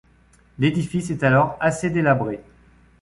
L'édifice est alors assez délabré.